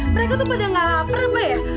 mereka tuh pada gak lapar mbak ya